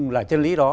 là chân lý đó